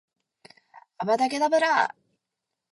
アバダ・ケタブラぁ！！！